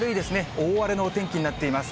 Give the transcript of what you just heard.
大荒れのお天気になっています。